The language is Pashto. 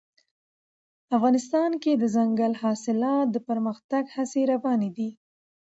افغانستان کې د دځنګل حاصلات د پرمختګ هڅې روانې دي.